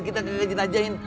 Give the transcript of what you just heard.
kita kagak jenajahin